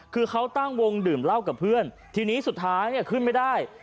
คือเขาตั้งวงดื่มเหล้ากับเพื่อนทีนี้สุดท้ายเนี่ยขึ้นไม่ได้